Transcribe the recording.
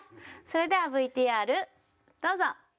それではＶＴＲどうぞ！